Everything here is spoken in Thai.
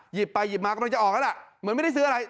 หยิบไปหยิบมากำลังจะออกแล้วล่ะเหมือนไม่ได้ซื้ออะไร